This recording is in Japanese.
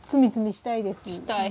したい。